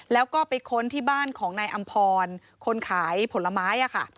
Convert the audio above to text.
แล้วก็ไปค้นที่บ้านของนออคนขายผลไม้